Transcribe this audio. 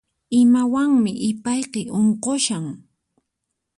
Imawanmi ipayki unqushan?